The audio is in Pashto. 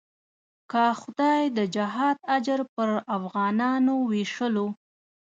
که خدای د جهاد اجر پر افغانانو وېشلو.